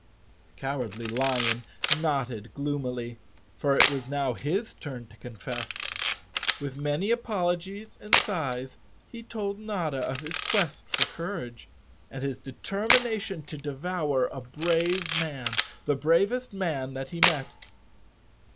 The Cowardly Lion nodded gloomily, for it was now his turn to confess. With many apologies and sighs he told Notta of his quest for courage and his determina¬ tion to devour a brave man, the bravest man that he met.